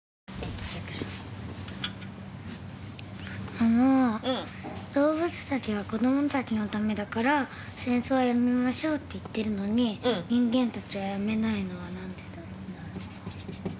あの動物たちは「子どもたちのためだから戦争はやめましょう」って言ってるのに人間たちはやめないのは何でだろう。